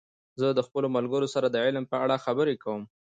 زه د خپلو ملګرو سره د علم په اړه خبرې کوم.